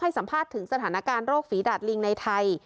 สัมภาษณ์ถึงสถานการณ์โรคฝีดาดลิงในไทย